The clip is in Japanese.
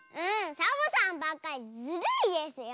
サボさんばっかりずるいですよ。